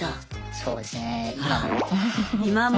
そうですね今も。